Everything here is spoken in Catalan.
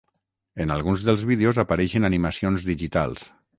En alguns dels vídeos apareixen animacions digitals.